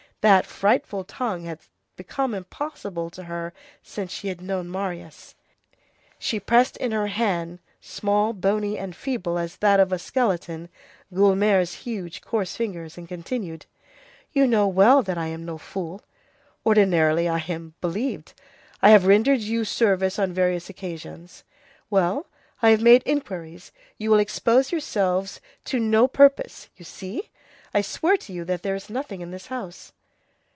That frightful tongue had become impossible to her since she had known Marius. She pressed in her hand, small, bony, and feeble as that of a skeleton, Guelemer's huge, coarse fingers, and continued:— "You know well that I'm no fool. Ordinarily, I am believed. I have rendered you service on various occasions. Well, I have made inquiries; you will expose yourselves to no purpose, you see. I swear to you that there is nothing in this house."